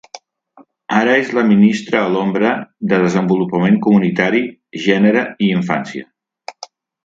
Ara és la ministra a l'ombra de Desenvolupament Comunitari, Gènere i Infància.